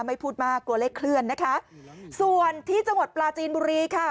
ไม่พูดมากกลัวเลขเคลื่อนนะคะส่วนที่จังหวัดปลาจีนบุรีค่ะ